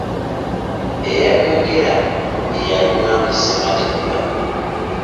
Eyabyogera ye yali mwani Ssematimba.